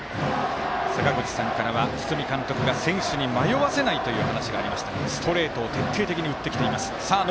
坂口さんからは堤監督が、選手に迷わせないという話がありましたがストレートを徹底的に打ってきています。